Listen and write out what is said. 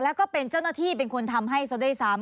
แล้วก็เป็นเจ้าหน้าที่เป็นคนทำให้ซะด้วยซ้ำ